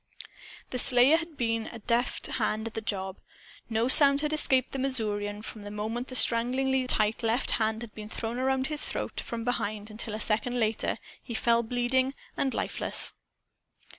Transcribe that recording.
The slayer had been a deft hand at the job. No sound had escaped the Missourian, from the moment the stranglingly tight left arm had been thrown around his throat from behind until, a second later, he fell bleeding and lifeless.